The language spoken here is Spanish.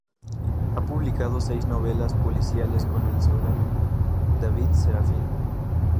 Ha publicado seis novelas policiales con el seudónimo "David Serafín".